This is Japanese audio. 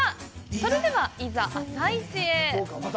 それでは、いざ朝市へ！